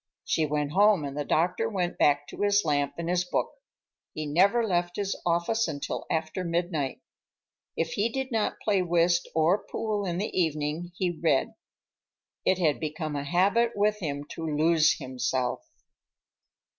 She went home, and the doctor went back to his lamp and his book. He never left his office until after midnight. If he did not play whist or pool in the evening, he read. It had become a habit with him to lose himself.